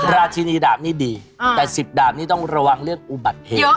ราชินีดาบนี้ดีแต่๑๐ดาบนี้ต้องระวังเรื่องอุบัติเหตุ